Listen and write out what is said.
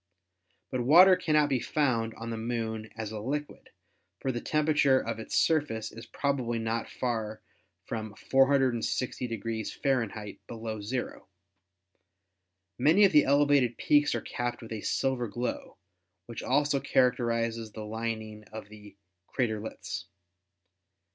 But water cannot be found on the Moon as a liquid, for the temperature of its surface is probably not far from 460 F. below zero. Many of the elevated peaks are capped with a silver glow, which also characterizes the lining of the "craterlets."